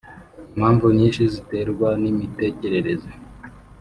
Impamvu nyinshi ziterwa n’imitekerereze